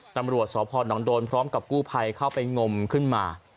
ตำรวจสพนโดนพร้อมกับกู้ภัยเข้าไปงมขึ้นมา